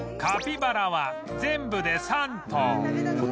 カピバラは全部で３頭